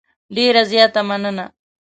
ډېره زیاته مننه .